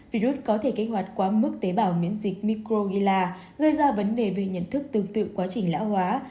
virus có thể kích hoạt quá mức tế bào miễn dịch microgila gây ra vấn đề về nhận thức tương tự quá trình lão hóa